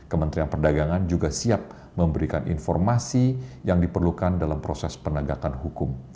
kementerian perdagangan juga siap memberikan informasi yang diperlukan dalam proses penegakan hukum